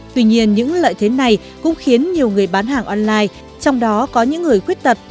tuy nhiên những lợi thế này cũng khiến nhiều người bán hàng online trong đó có những người khuyết tật